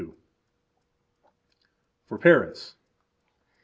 For Parents.